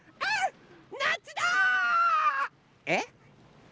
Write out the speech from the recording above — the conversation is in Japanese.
えっ？